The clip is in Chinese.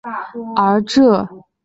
而这个词语有不同的内涵和外延。